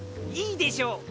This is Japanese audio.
いいでしょう